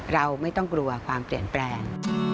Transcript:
เราไม่ต้องกลัวความเปลี่ยนแปลง